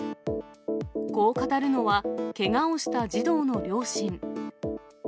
こう語るのは、けがをした児童の両親。